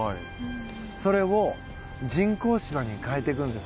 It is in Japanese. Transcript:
それを人工芝に変えていくんです。